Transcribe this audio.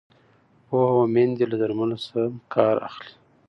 پوهه میندې له درملو سم کار اخلي۔